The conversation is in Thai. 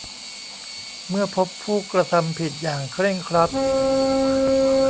เมื่อพบผู้กระทำผิดอย่างเคร่งครัด